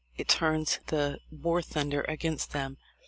It turns the war thunder against them.